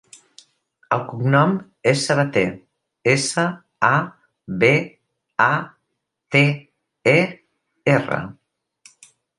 El cognom és Sabater: essa, a, be, a, te, e, erra.